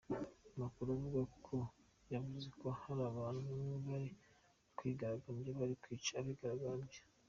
Amakuru avuga ko yavuze ko "hari abantu bamwe bari mu bigaragambya bari kwica abigaragambya".